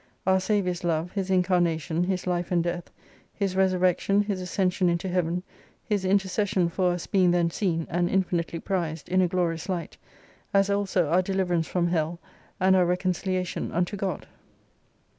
Our Saviour's love. His incarnation, His life and death. His resurrection. His ascension into Heaven, His intercession for us being then seen, and infinitely prized, in a glorious light : as also our deliverance from Hell, and our reconciliation unto God.